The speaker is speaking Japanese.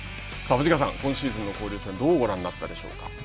藤川さん、今シーズンの交流戦どうご覧になったでしょうか。